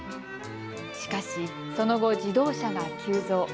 しかし、その後、自動車が急増。